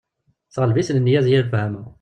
Teɣleb-iten nniya d yir lefhama.